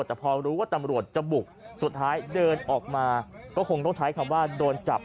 แต่พอรู้ว่าตำรวจจะบุกสุดท้ายเดินออกมา